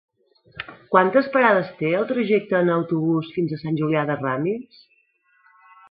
Quantes parades té el trajecte en autobús fins a Sant Julià de Ramis?